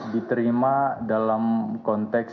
diterima dalam konteks